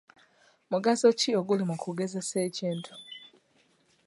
Mugaso ki oguli mu kugezesa ekintu?